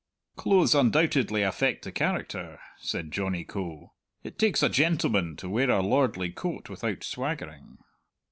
"Clothes undoubtedly affect the character," said Johnny Coe. "It takes a gentleman to wear a lordly coat without swaggering."